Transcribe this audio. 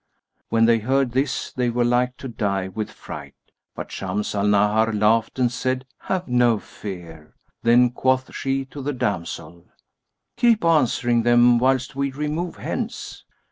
When they heard this they were like to die with fright, but Shams al Nahar laughed and said, "Have no fear!" Then quoth she to the damsel, "Keep answering them whilst we remove hence."